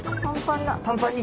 パンパンだ。